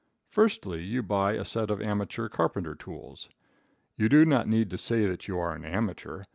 Firstly, you buy a set of amateur carpenter tools. You do not need to say that you are an amateur.